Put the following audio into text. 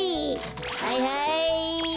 はいはい。